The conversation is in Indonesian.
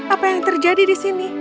apa yang terjadi di sini